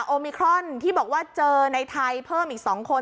โอมิครอนที่บอกว่าเจอในไทยเพิ่มอีก๒คน